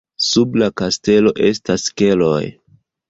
Sub la kastelo estas keloj.